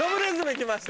来ました。